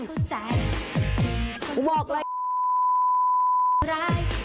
กูบอกว่า